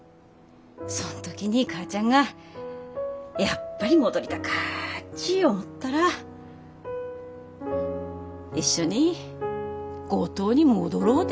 そん時に母ちゃんがやっぱり戻りたかっち思ったら一緒に五島に戻ろうで。